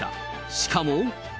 しかも。